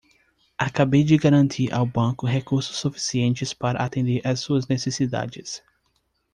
Acabei de garantir ao banco recursos suficientes para atender às suas necessidades.